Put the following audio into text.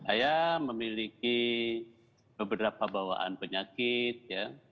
saya memiliki beberapa bawaan penyakit ya